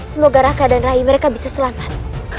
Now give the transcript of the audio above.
semoga raka dan rai mereka bisa selamat